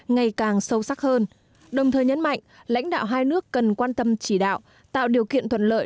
ngày càng sâu sắc hơn đồng thời nhấn mạnh lãnh đạo hai nước cần quan tâm chỉ đạo tạo điều kiện thuận lợi